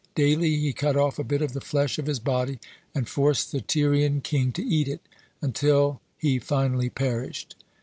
Daily he cut off a bit of the flesh of his body, and forced the Tyrian king to eat it, until the finally perished.